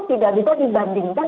tidak bisa dibandingkan